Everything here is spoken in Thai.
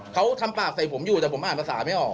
เขาทำปากใส่ผมอยู่แต่ผมอ่านภาษาไม่ออก